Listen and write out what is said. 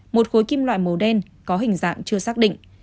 một khối kim loại màu đen có hình dạng chưa xác định